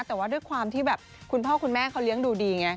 แต่ว่าด้วยความที่แบบคุณพ่อคุณแม่เขาเลี้ยงดูดีไง